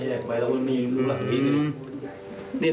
แยกไปแล้วมันมีลุงหลังนี้ด้วย